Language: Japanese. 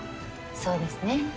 そうですね。